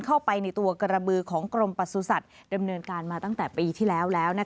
เข้าไปในตัวกระบือของกรมประสุทธิ์ดำเนินการมาตั้งแต่ปีที่แล้ว